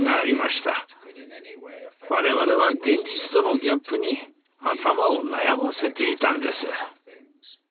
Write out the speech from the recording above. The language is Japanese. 我々は現実とのギャップに頭を悩ませていたんです。